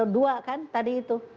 dua kan tadi itu